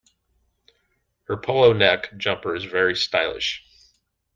Her polo neck jumper is very stylish